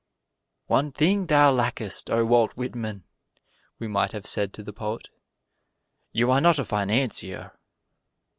"One thing thou lackest, O Walt Whitman!" we might have said to the poet; "you are not a financier."